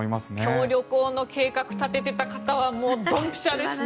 今日、旅行の計画立てていた方はドンピシャですね。